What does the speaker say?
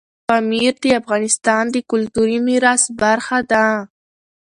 پامیر د افغانستان د کلتوري میراث برخه ده.